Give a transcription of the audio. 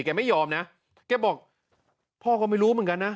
แกไม่ยอมนะแกบอกพ่อก็ไม่รู้เหมือนกันนะ